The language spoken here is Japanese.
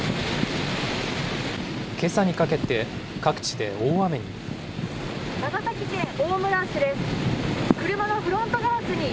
けさにかけて、各地で大雨に。